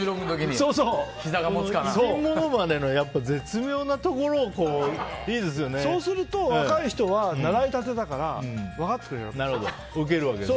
偉人モノマネの絶妙なところそうすると若い人は、習いたてだから笑ってくれるわけですよ。